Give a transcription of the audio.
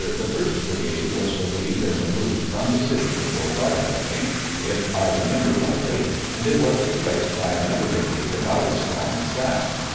The first brigade was relieved and removed from the city before dark, I think, if I remember rightly, and it was replaced by another brigade about as strong as that.